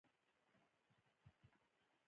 څلورم: د بیکاره منابعو په کار اچول.